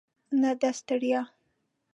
نه د ستړیا.